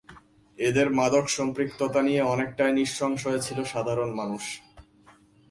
এদের মাদক সম্পৃক্ততা নিয়ে অনেকটাই নিঃসংশয় ছিল সাধারণ মানুষ।